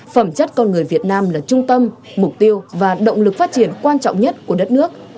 phẩm chất con người việt nam là trung tâm mục tiêu và động lực phát triển quan trọng nhất của đất nước